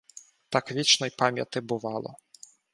Так вічной пам’яти бувало